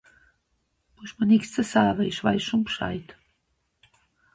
Brüch mer nix ze saje, isch weiss scho B'scheid!